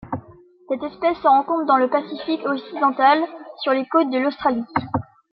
Cette espèce se rencontre dans la pacifique occidental sur les côtes de l'Australie,